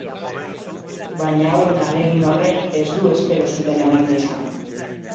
Baina hauen ahalegin horrek ez du espero zuten emaitza izan.